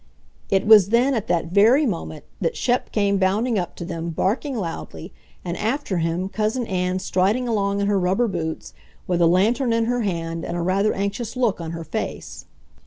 It was then, at that very moment, that Shep came bounding up to them, barking loudly, and after him Cousin Ann striding along in her rubber boots, with a lantern in her hand and a rather anxious look on her face.